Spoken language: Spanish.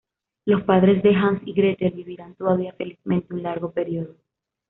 Los padres de Hans y Gretel vivirán todavía felizmente un largo período.